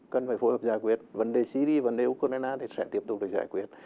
cần phải phối hợp giải quyết vấn đề syri và vấn đề ukraine sẽ tiếp tục phải giải quyết